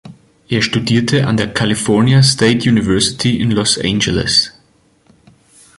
Er studierte an der California State University in Los Angeles.